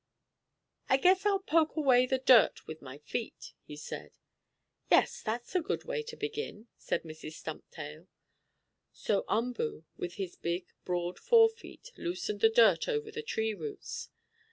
"I guess I'll poke away the dirt with my feet," he said. "Yes, that's a good way to begin," said Mrs. Stumptail. So Umboo, with his big, broad fore feet, loosened the dirt over the tree roots.